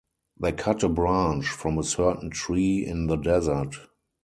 They cut a branch from a certain tree in the desert.